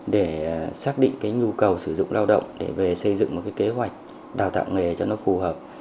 để xác định cái nhu cầu sử dụng lao động để về xây dựng một cái kế hoạch đào tạo nghề cho nó phù hợp